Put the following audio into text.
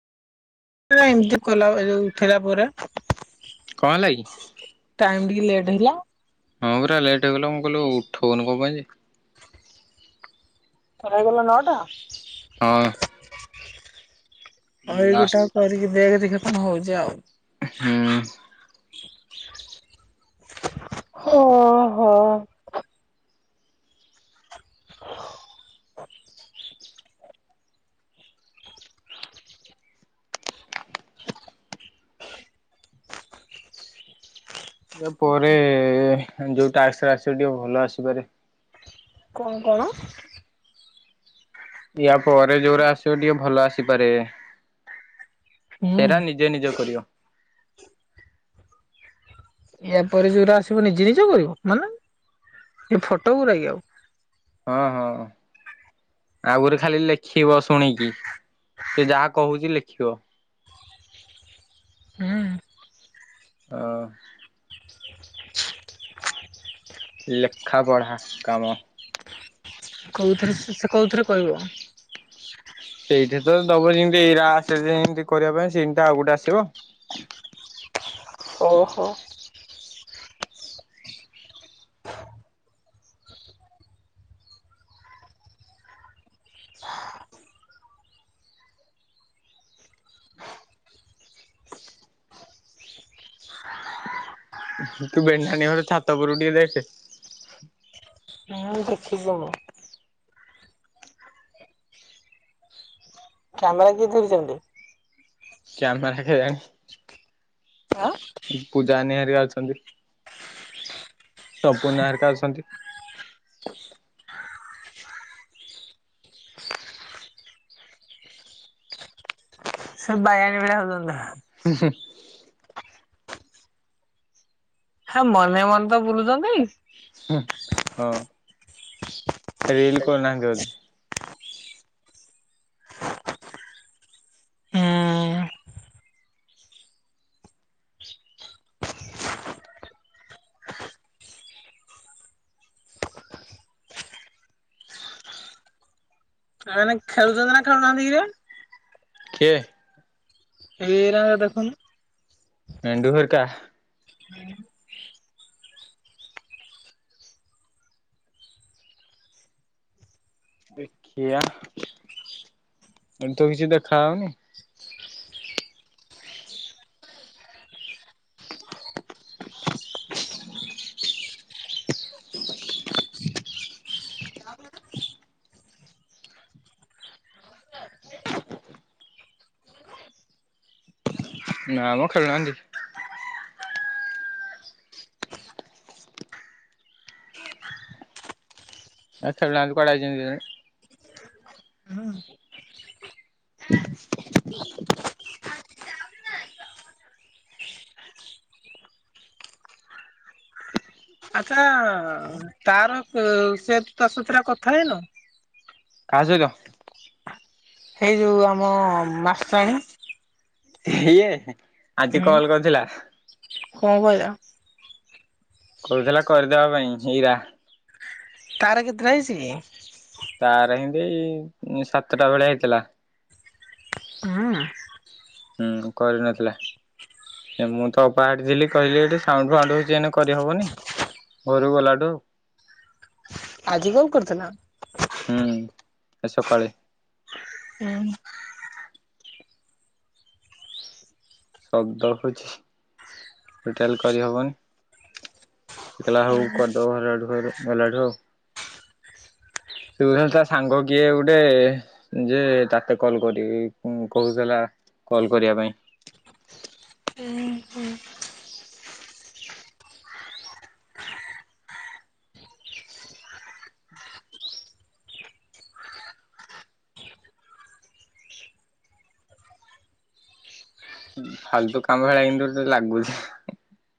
ଏମିତି କଲା ଏ ଯଉ ଉଠେଇଲା ପରେ କଣ ହେଲା କି? ଟାଇମ ଟିକେ ଲେଟ୍ ହେଲା। ହଁ, ପରା ଲେଟ୍ ହେଇଗଲା ମୁଁ କହିଲୁ ଉଠୋଉନୁ କଣ ପାଇଁ ଯେ? ତୋର ହେଇଗଲା ନଅଟା? ହଁ, ଆଉ ଏଇ ଲାଷ୍ଟ ଗୋଟାକ କରିକି ଦେଖେ ଦେଖିଆ କଣ ହଉଛି ଆଉ? ହୁଁ, ହଁ, ହଁ, ପରେ ଯୋଉ ଟାସ୍କରା ଆସିବ ଟିକେ ଭଲ ଆସିପାରେ। କଣ, କଣ? ୟା ପରେ ଯୋଉରା ଆସିବ ଟିକେ ଭଲ ଆସିପାରେ ହୁଁ ସେରା ନି ନିଜେ ନିଜେ କରିବ। ୟା ପରେ ଯୋଉଟା ଆସିବ ନିଜେ ନିଜ କରିବ ମାନେ ଏ ଫଟୋ ଗୁରା କି ଆଉ? ହଁ, ହଁ, ଆଉଗୁରେ ଖାଲି ଲେଖିବ ଶୁଣିକି, ସେ ଯାହା କହୁଛି ଲେଖିବ। ହୁଁ, ଅ ଲେଖା, ପଢ଼ା କାମ। କୋଉଥିରେ ସେ କୋଉଥିରେ କହିବ? ସେଇଠି ତ ଦବ ଯେମିତି ଇରା ଆସେ ଯେମିତି କରିବା ପାଇଁ ସେମିତି ଆଉ ଗୋଟେ ଆସିବ। ଓ ହୋ! ତୁ ବେନକାନୀ ଘର ଛାତ ଉପୁରୁ ଟିକେ ଦେଖେ? ଦେଖିଚି ମୁ କ୍ୟାମେରା କିଏ ଧରିଛନ୍ତି? କ୍ୟାମରା ଆଁ କେଜାଣି ପୂଜା ନାନି ହେରା ଅଛନ୍ତି। ତପୁନା ହେରିକା ଅଛନ୍ତି। ସେ ବାଇଆଣୀ ଭଳିଆ ହଉଚନ୍ତି। ହୁ ହୁଁ ହେ ମନେ ମନେ ତ ବୁଲୁଛନ୍ତି? ହୁଁ ହଁ, ରିଲ କରୁନାହାଁନ୍ତି ବୋଧେ? ହୁଁ ଏମାନେ ଖେଳୁଛନ୍ତି ନା ଖେଳୁନାହାନ୍ତି କିରେ କିଏ ଏରା ଦେଖୁନୁ ଭେଣ୍ଡୁ ଘେରକା ହୁଁ ଦେଖିଆ ଏମିତି କିଛି ଦେଖା ହଉନି ହୁଁ ନା ମ ଖେଳୁନାହାନ୍ତି ଏରା ଖେଳୁ ନାହାନ୍ତି କୁଆଡେ ଆଇଛନ୍ତି କେଜାଣି? ହୁଁ। ଆଚ୍ଛା ତାର ସେ ତାସତୁରେ କଥା ହେଇନ? କାହା ସହିତ? ହେଇ ଯଉ ଆମ ମାଷ୍ଟ୍ରାଣୀ। ହିଏ ଆଜି କଲ କରିଥିଲା। କଣ କହିଲ? କରୁଥିଲା କରିଦବା ପାଇଁ ହେଇରା। ତାର କେତେଟା ହେଇଛି କି? ତାର ହେନ୍ତି ସାତଟା ଭଳିଆ ହେଇଥିଲା। ହୁଁ ଉଁ। ହୁଁ କରିନଥିଲା। ଏ ମୁଁ ତ ଅପାହଠି ଥିଲି କହିଲି ଏଠି ସାଉଣ୍ଡ ଫାଉଣ୍ଡ ହଉଛି ଏଇନେ କରିହବନି। ଘରକୁ ଗଲାଟୁ ଆଜି କଣ କରୁଥିଲ? ହୁଁ ଆଜି ସକାଳେ। ହୁଁ। ଶବ୍ଦ ହଉଛି। ଟୋଟାଲ କରିହେବନି। ସେ କହିଲା ହଉ କରିଦବ ହେଲାଠୁ ଗଲାଠୁ ଆଉ। ହ ତୁ [inaudible] ତା ସାଙ୍ଗ କିଏ ଗୁଟେ ଯେ ତାକୁ କଲ୍ କରିବି କୁଁ କହୁଥିଲା କଲ କରିବା ପାଇଁ। ଉଁ ହୁଁ। ଫାଲତୁ କାମ ଭଳିଆ ଏଇନରୁ ତତେ ଲାଗୁଛି।